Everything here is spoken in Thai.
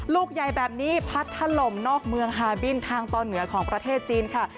ลูกใหญ่แบบนี้พัดถล่มนอกเมืองฮาบินทางตอนเหนือของประเทศจีนค่ะ